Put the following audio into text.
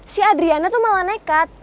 si adriana tuh malah nekat